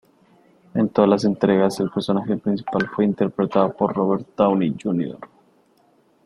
En todas las entregas el personaje principal fue interpretado por Robert Downey Jr.